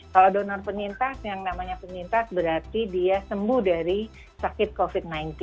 kalau donor penyintas yang namanya penyintas berarti dia sembuh dari sakit covid sembilan belas